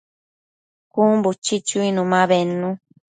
Cun buchi chuinu ma bednu